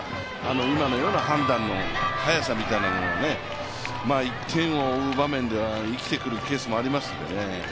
今のような判断の早さみたいなのは１点を追う場面では生きてくるケースもありますのでね。